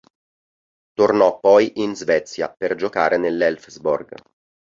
Tornò poi in Svezia, per giocare nell'Elfsborg.